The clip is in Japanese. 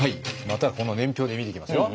またこの年表で見ていきますよ。